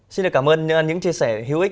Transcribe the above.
xin được cảm ơn những chia sẻ hữu ích